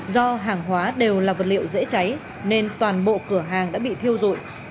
do hàng hóa đều là vật liệu dễ cháy nên toàn bộ cửa hàng đã bị thiêu dụi